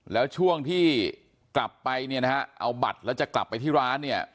แล้วช่วงที่กลับไปเอาบัตรแล้วจะกลับไปที่ร้าน